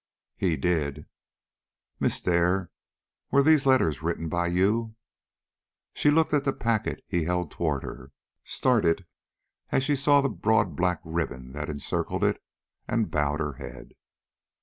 "He did." "Miss Dare, were these letters written by you?" She looked at the packet he held toward her, started as she saw the broad black ribbon that encircled it, and bowed her head.